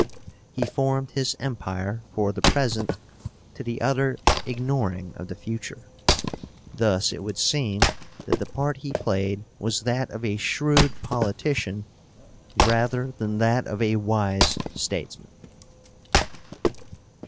He formed his empire for the present, to the utter ignoring of the future. Thus it would seem that the part he played was that of a shrewd politician, rather than that of a wise statesman.